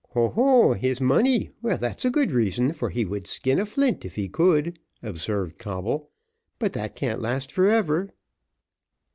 "Ho, ho! his money, well, that's a good reason, for he would skin a flint if he could," observed Coble; "but that can't last for ever."